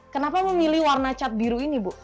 kenapa memilih warna cat biru ini bu